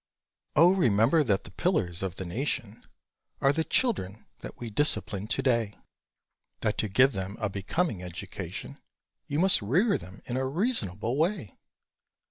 Oh remember that the pillars of the nation Are the children that we discipline to day; That to give them a becoming education You must rear them in a reasonable way!